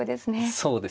そうですね。